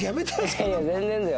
いやいや全然だよ